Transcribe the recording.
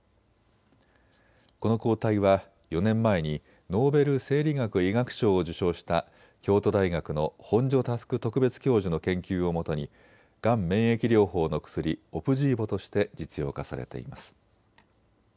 この抗体は４年前にノーベル生理学・医学賞を受賞した京都大学の本庶佑特別教授の研究をもとにがん免疫療法の薬、オプジーボとして実用化されています。